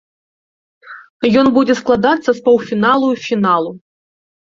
Ён будзе складацца з паўфіналу і фіналу.